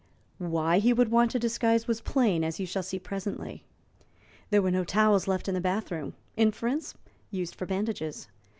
Why he would want to disguise was plain, as you shall see presently. There were no towels left in the bath room; inference, used for bandages.